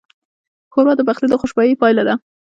ښوروا د پخلي د خوشبویۍ پایله ده.